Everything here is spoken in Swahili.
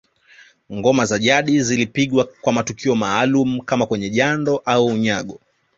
Ngoma za jadi zilipigwa kwa matukio maalum kama kwenye jando au unyago